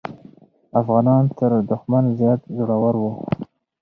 افغانان تر دښمن زیات زړور وو.